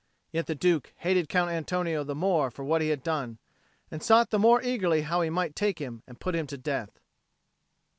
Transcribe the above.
Yet the Duke hated Count Antonio the more for what he had done, and sought the more eagerly how he might take him and put him to death.